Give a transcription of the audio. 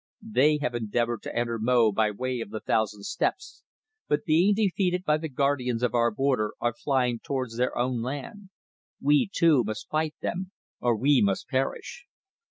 They have endeavoured to enter Mo by the Way of the Thousand Steps, but being defeated by the guardians of our border are flying towards their own land. We too must fight them, or we must perish."